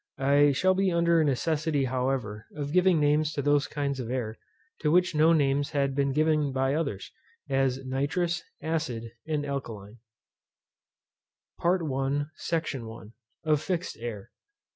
I shall be under a necessity, however, of giving names to those kinds of air, to which no names had been given by others, as nitrous, acid, and alkaline. SECTION I. _Of FIXED AIR.